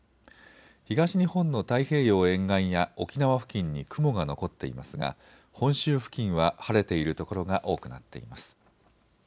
東日本の太平洋沿岸や沖縄付近に雲が残っていますが本州付近は晴れている所が多くなっています。